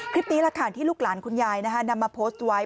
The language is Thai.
คลิปนี้แหละค่ะที่ลูกหลานคุณยายนำมาโพสต์ไว้